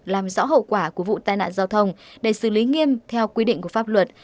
làm rõ hậu quả của vụ tai nạn giao thông để xử lý nghiêm theo quy định của pháp luật